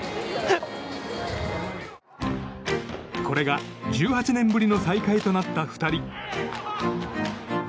これが１８年ぶりの再会となった２人。